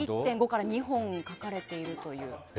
１．５から２本書かれているという。